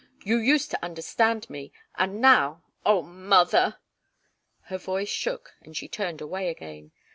You used to understand me and now oh, mother!" Her voice shook, and she turned away again.